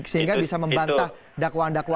sehingga bisa membantah dakwaan dari kpk